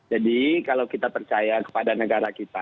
jadi kalau kita percaya kepada negara kita